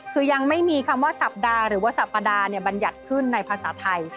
คือยังไม่มีคำว่าสัปดาห์หรือว่าสัปดาบัญญัติขึ้นในภาษาไทย